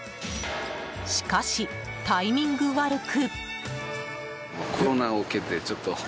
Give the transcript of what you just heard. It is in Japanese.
しかし、タイミング悪く。